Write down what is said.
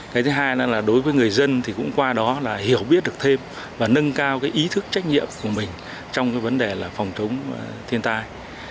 cái thứ hai là đối với người dân thì cũng qua đó là hiểu biết được thêm và nâng cao cái ý thức trách nhiệm của mình trong cái vấn đề là phòng chống thiên tai